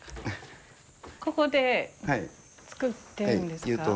ここで作ってるんですか？